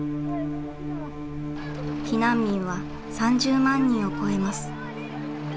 避難民は３０万人を超えます。